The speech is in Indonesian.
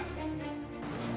adalah pemuda pilihan